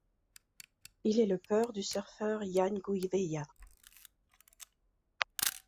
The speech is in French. Il est le père du surfeur Ian Gouveia.